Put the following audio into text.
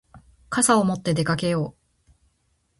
傘を持って出かけよう。